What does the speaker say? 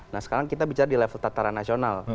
nah sekarang kita bicara di level tataran nasional